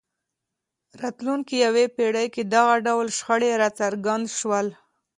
راتلونکې یوې پېړۍ کې دغه ډول شخړې راڅرګند شول.